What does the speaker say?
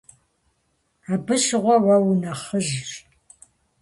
Абы щыгъуэ уэ унэхъыжьщ.